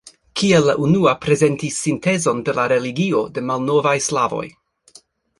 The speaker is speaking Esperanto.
Kiel la unua prezentis sintezon de la religio de malnovaj slavoj.